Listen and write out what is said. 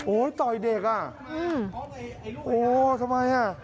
ต่อยเด็กอ่ะโอ้ทำไมอ่ะ